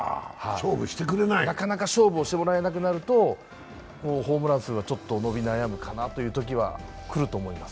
なかなか勝負してもらえなくなると、ホームラン数がちょっと伸び悩むかなという時は来ると思います。